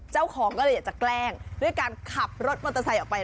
เจ้าของก็เลยอยากจะแกล้งด้วยการขับรถมอเตอร์ไซค์ออกไป